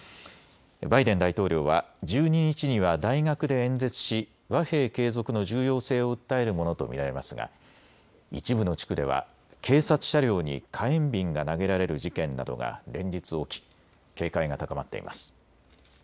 バイデン大統領は１２日には大学で演説し和平継続の重要性を訴えるものと見られますが一部の地区では警察車両に火炎瓶が投げられる事件などが連日起き警戒が高まっています。